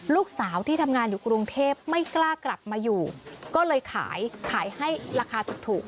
ลูกสาวที่ทำงานอยู่กรุงเทพไม่กล้ากลับมาอยู่ก็เลยขายขายให้ราคาถูก